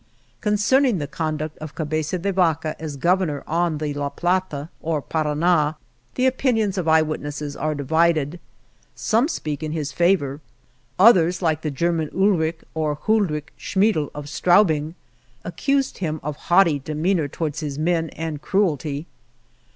Concerning the conduct of Cabeza de Vaca as Governqr on the La Plata, or Parana, the opinions of eye witnesses are divided. Some speak in his favor; others, like the German Ulrich (or Huldreich) Schmiedel, of Straubing, accused him of haughty demeanor towards his men and cruelty.